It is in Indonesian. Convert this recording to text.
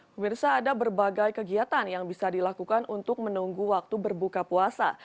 pemirsa ada berbagai kegiatan yang bisa dilakukan untuk menunggu waktu berbuka puasa